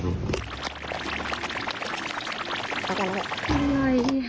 อะไรอ่ะ